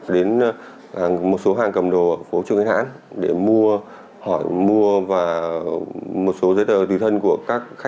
tôi dùng phần mềm cắt ghép